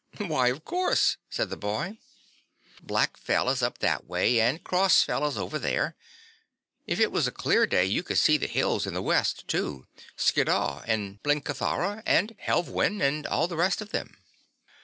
"Why, of course," said the boy. "Black Fell is up that way and Cross Fell is over there. If it was a clear day you could see the hills in the west too, Skiddaw and Blencathara and Helvellyn, and all the rest of them.